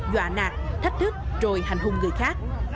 dọa nạt thách thức rồi hành hung người khác